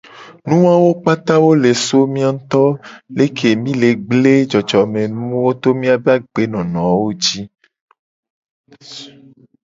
Enu wawo kpata le so mia nguto leke mi le gble jojomenuwo to miabe agbenonowo ji.